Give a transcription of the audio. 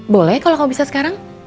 boleh kalau kamu bisa sekarang